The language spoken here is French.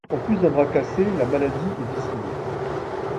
En plus d'un bras cassé, la maladie est visible.